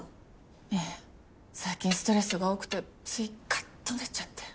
ええ最近ストレスが多くてついカッとなっちゃって。